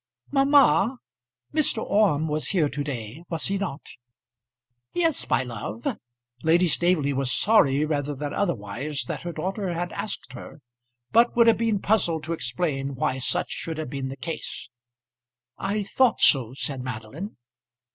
"Mamma, Mr. Orme was here to day; was he not?" "Yes, my love." Lady Staveley was sorry rather than otherwise that her daughter had asked her, but would have been puzzled to explain why such should have been the case. "I thought so," said Madeline.